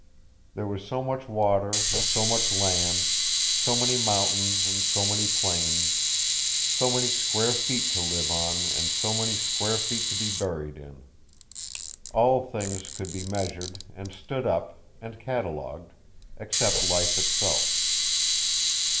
There was so much water and so much land, so many mountains and so many plains, so many square feet to live on and so many square feet to be buried in. All things could be measured, and stood up, and catalogued except life itself.